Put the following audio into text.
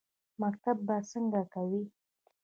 _مکتب به څنګه کوې؟